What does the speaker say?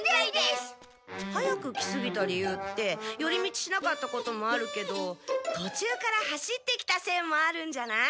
早く来すぎた理由ってより道しなかったこともあるけどとちゅうから走ってきたせいもあるんじゃない？